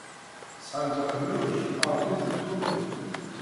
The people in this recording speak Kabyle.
Tesɛam-d akluc? Ṛebbit-t kenwi.